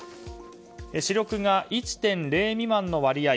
視力が１．０未満の割合